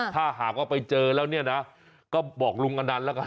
ถ้าหากว่าไปเจอแล้วเนี่ยนะก็บอกลุงอนันต์แล้วกัน